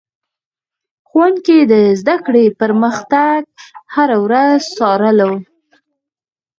ښوونکي د زده کړې پرمختګ هره ورځ څارلو.